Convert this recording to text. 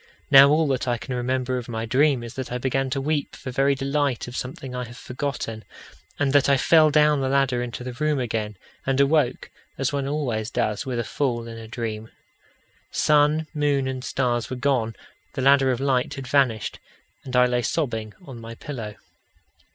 Now all that I can remember of my dream is that I began to weep for very delight of something I have forgotten, and that I fell down the ladder into the room again and awoke, as one always does with a fall in a dream. Sun, moon, and stars were gone; the ladder of light had vanished; and I lay sobbing on my pillow.